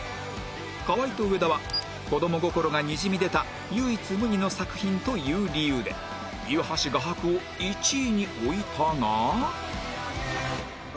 河合と上田は子供心がにじみ出た唯一無二の作品という理由で岩橋画伯を１位に置いたがねえよ！